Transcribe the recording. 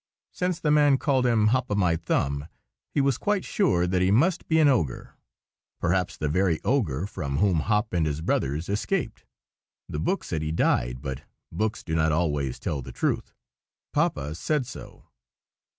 Since the man had called him Hop o' my thumb, he was quite sure that he must be an ogre; perhaps the very ogre from whom Hop and his brothers escaped. The book said he died, but books do not always tell the truth; Papa said so.